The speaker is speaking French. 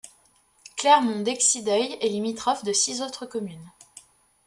Clermont-d'Excideuil est limitrophe de six autres communes.